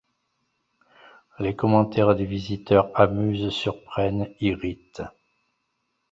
Les commentaires des visiteurs amusent, surprennent, irritent.